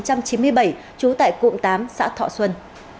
trần văn tranh sinh năm một nghìn chín trăm chín mươi bảy trú tại cụm tám xã thọ xuân